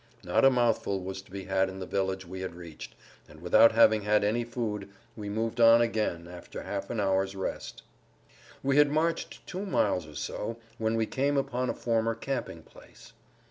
Not a mouthful was to be had in the village we had reached, and without having had any food we moved on again after half an hour's rest. We had marched two miles or so when we came upon a former camping place.